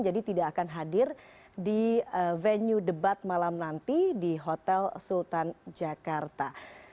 jadi tidak akan hadir di venue debat malam nanti di hotel sultan jakarta